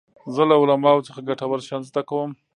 زه له علماوو څخه ګټور شیان زده کوم.